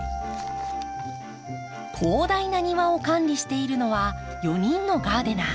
広大な庭を管理しているのは４人のガーデナー。